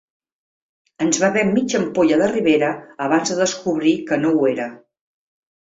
Ens bevem mitja ampolla de Ribera abans de descobrir que no ho era.